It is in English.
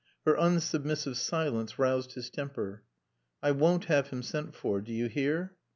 Her unsubmissive silence roused his temper. "I won't have him sent for do you hear?"